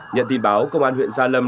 nhận tin báo công an huyện gia lâm